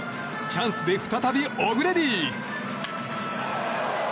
チャンスで再びオグレディ。